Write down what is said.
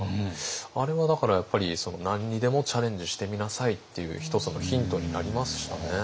あれはだからやっぱり何にでもチャレンジしてみなさいっていう１つのヒントになりましたね。